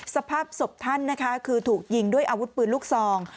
สภาพศพท่านนะคะคือถูกยิงด้วยอาวุธปืนลูกซอง